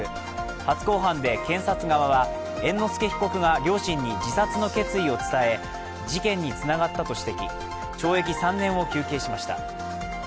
初公判で検察側は猿之助被告が両親に自殺の決意を伝え事件につながったと指摘懲役３年を求刑しました。